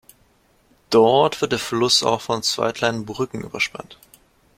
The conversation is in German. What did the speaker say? Dort wird der Fluss auch von zwei kleinen Brücken überspannt.